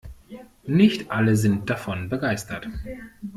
Nicht alle sind davon begeistert.